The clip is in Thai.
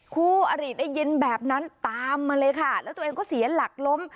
คู่อริได้ยินแบบนั้นตามมาเลยค่ะแล้วตัวเองก็เสียหลักล้ม